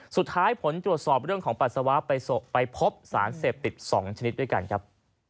ผลตรวจสอบเรื่องของปัสสาวะไปพบสารเสพติด๒ชนิดด้วยกันครับ